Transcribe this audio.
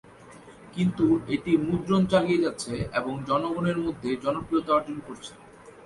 কিন্তু এটি মুদ্রণ চালিয়ে যাচ্ছে এবং জনগণের মধ্যে জনপ্রিয়তা অর্জন করেছে।